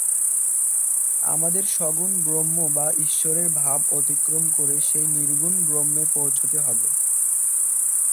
আমাদের সগুণ ব্রহ্ম বা ঈশ্বরের ভাব অতিক্রম করে সেই নির্গুণ ব্রহ্মে পৌঁছতে হবে।